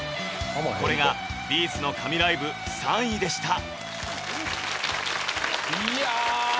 これが「Ｂ’ｚ」の神ライブ３位でしたいや！